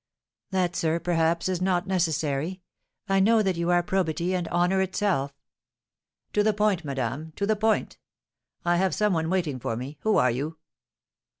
"That, sir, perhaps, is not necessary. I know that you are probity and honour itself " "To the point, madame, to the point. I have some one waiting for me. Who are you?"